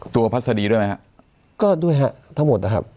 ตัวพัฒนีด้วยไหมครับก็ด้วยฮะทั้งหมดนะครับ